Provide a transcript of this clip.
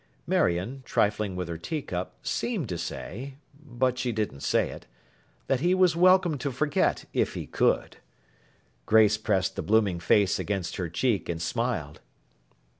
Marion, trifling with her teacup, seemed to say—but she didn't say it—that he was welcome to forget, if he could. Grace pressed the blooming face against her cheek, and smiled.